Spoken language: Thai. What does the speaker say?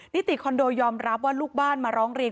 นิติคอนโดยอมรับว่าลูกบ้านมาร้องเรียน